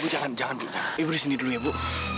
jangan jangan ibu disini dulu ya bu